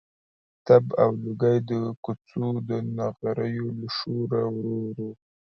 تپ او لوګی د کوڅو د نغریو له شوره ورو ورو.